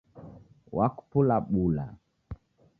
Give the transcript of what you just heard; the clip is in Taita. Wakupula bula